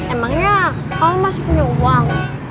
emangnya oh masih punya uang